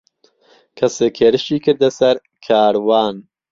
کەسێک هێرشی کردە سەر کاروان.